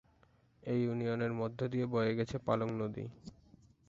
এই ইউনিয়নের মধ্য দিয়ে বয়ে গেছে পালং নদী।